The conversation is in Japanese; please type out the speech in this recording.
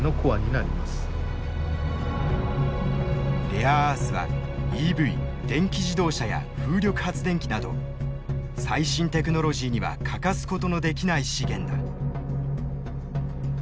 レアアースはＥＶ＝電気自動車や風力発電機など最新テクノロジーには欠かすことのできない資源だ。